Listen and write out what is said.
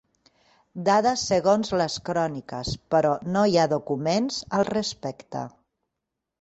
Dades segons les cròniques, però no hi ha documents al respecte.